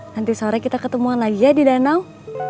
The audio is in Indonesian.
nanti sore kita ketemuan lagi ya di danau